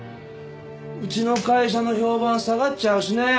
うちの会社の評判下がっちゃうしねえ。